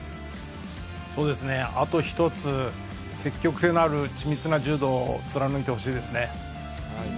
あと１つ、積極性のある緻密な柔道を貫いてほしいですね。